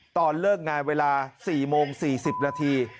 ตอนเลิกงานเวลา๔โมง๔๐นาที